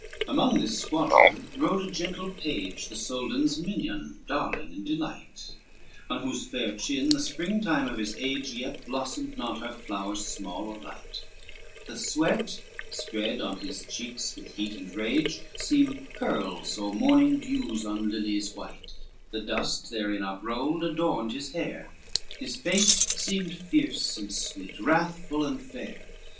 LXXXI Among this squadron rode a gentle page, The Soldan's minion, darling, and delight, On whose fair chin the spring time of his age Yet blossomed out her flowers, small or light; The sweat spread on his cheeks with heat and rage Seemed pearls or morning dews on lilies white, The dust therein uprolled adorned his hair, His face seemed fierce and sweet, wrathful and fair.